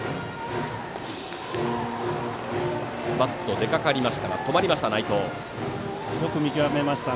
バット、出掛かりましたが止まりました。